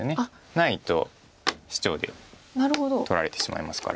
ないとシチョウで取られてしまいますから。